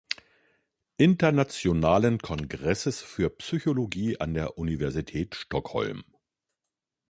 Internationalen Kongresses für Psychologie an der Universität Stockholm.